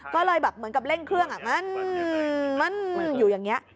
ก็เลยแบบเหมือนกับเร่งเครื่องมันอยู่อย่างนี้